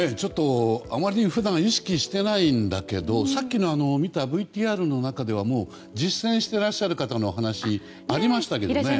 あまり普段意識してないんだけどさっき見たＶＴＲの中ではもう実践してらっしゃる方のお話がありましたけどもね。